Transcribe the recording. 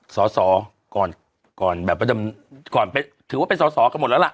สอสอก่อนก่อนแบบว่าก่อนถือว่าเป็นสอสอกันหมดแล้วล่ะ